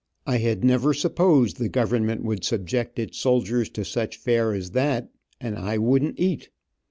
I had never supposed the government would subject its soldiers to such fare as that, and I wouldn't eat.